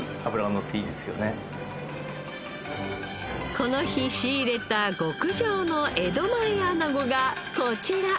この日仕入れた極上の江戸前アナゴがこちら。